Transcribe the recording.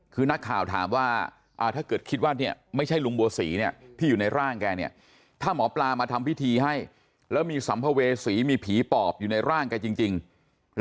คือนักข่าวถามว่าอ่าถ้าเกิดคิดว่าเนี่ยไม่ใช่ลุงบัวศรีเนี่ยที่อยู่ในร่างแกเนี่ย